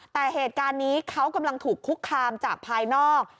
แต่เหตุการณ์นี้เขากำลังถูกคุกคามจากภายนอก